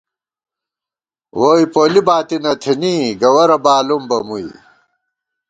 ووئی پولی باتی نہ تھنی ، گوَرہ بالُم بہ مُوئی